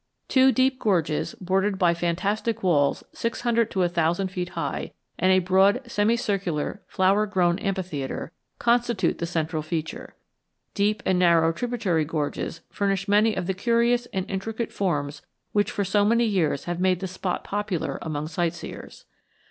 Two deep gorges, bordered by fantastic walls six hundred to a thousand feet high, and a broad semi circular, flower grown amphitheatre, constitute the central feature. Deep and narrow tributary gorges furnish many of the curious and intricate forms which for many years have made the spot popular among sightseers.